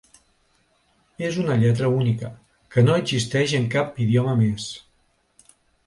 És una lletra única, que no existeix en cap idioma més.